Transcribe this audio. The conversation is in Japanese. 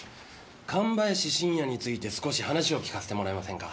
神林信弥について少し話を聞かせてもらえませんか。